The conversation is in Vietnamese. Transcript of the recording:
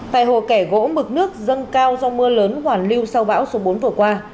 tại hồ kẻ gỗ mực nước dâng cao do mưa lớn hoàn lưu sau bão số bốn vừa qua